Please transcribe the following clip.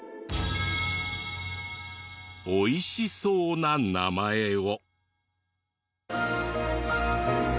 美味しそうな名前を。